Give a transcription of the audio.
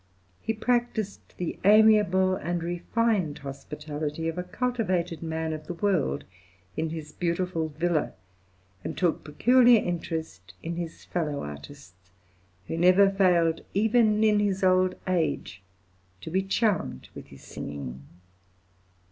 He practised the amiable and refined hospitality of a cultivated man of the world in his beautiful villa, and took peculiar interest in his fellow artists, who never failed even in his old age to be charmed with his singing.